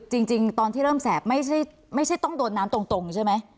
จริงตอนที่เริ่มแสบไม่ใช่ต้องโดนน้ำตรงใช่ไหม